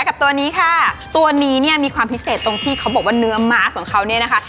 กับตัวนี้ค่ะตัวนี้เนี่ยมีความพิเศษตรงที่เขาบอกว่าเนื้อม้าของเขาเนี่ยนะคะ